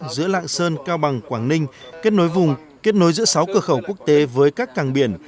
giữa lạng sơn cao bằng quảng ninh kết nối vùng kết nối giữa sáu cửa khẩu quốc tế với các càng biển